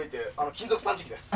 金属探知機です。